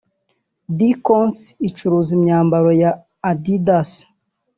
Dickons icuruza imyambaro ya Addidas